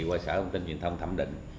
qua sở thông tin truyền thông thẩm định